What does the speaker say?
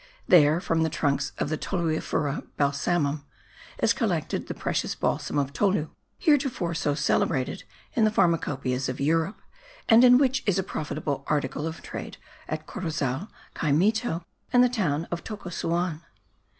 There, from the trunks of the Toluifera balsamum, is collected the precious balsam of Tolu, heretofore so celebrated in the pharmacopoeias of Europe, and in which is a profitable article of trade at Corozal, Caimito and the town of Tocasuan.